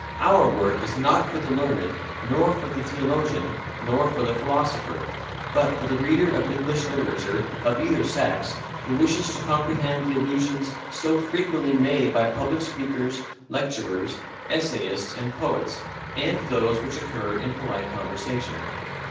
Our work is not for the learned, nor for the theologian, nor for the philosopher, but for the reader of English literature, of either sex, who wishes to comprehend the allusions so frequently made by public speakers, lecturers, essayists, and poets, and those which occur in polite conversation.